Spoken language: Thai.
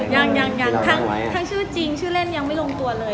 ยังทั้งชื่อจริงชื่อเล่นยังไม่ลงตัวเลย